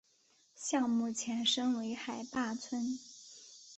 项目前身为海坝村。